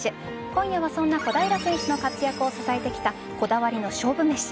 今夜は、そんな小平選手の活躍を支えてきたこだわりの勝負めし。